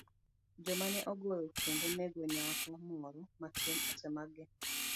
Joma ne ogoyo kendo nego nyako moro matin osemakgi